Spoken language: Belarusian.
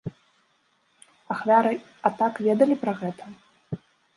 Ахвяры атак ведалі пра гэта?